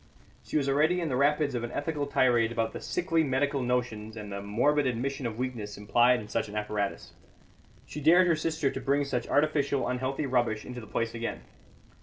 She was already in the rapids of an ethical tirade about the "sickly medical notions" and the morbid admission of weakness implied in such an apparatus. She dared her sister to bring such artificial, unhealthy rubbish into the place again.